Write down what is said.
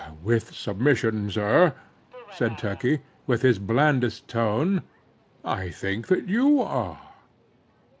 "With submission, sir," said Turkey, with his blandest tone, "I think that you are."